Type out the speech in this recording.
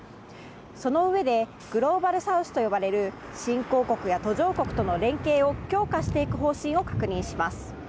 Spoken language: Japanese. そのうえでグローバルサウスと呼ばれる新興国や途上国との連携を強化していく方針を確認します。